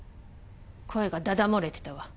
声がだだ漏れてたわ。